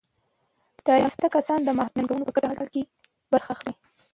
تعلیم یافته کسان د محلي ننګونو په ګډه حل کې برخه اخلي.